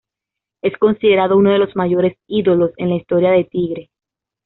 Es considerado uno de los mayores ídolos en la historia de Tigre.